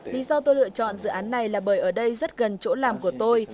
lý do tôi lựa chọn dự án này là bởi ở đây rất gần chỗ làm của tôi